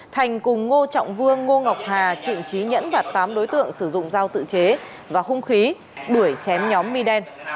thành cùng ngô trọng vương ngô ngọc hà trịnh trí nhẫn và tám đối tượng sử dụng dao tự chế và hung khí đuổi chém nhóm mi đen